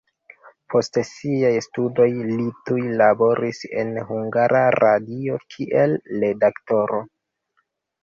Post siaj studoj li tuj laboris en Hungara Radio kiel redaktoro.